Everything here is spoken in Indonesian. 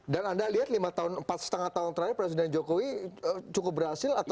dan anda lihat empat lima tahun terakhir presiden jokowi cukup berhasil atau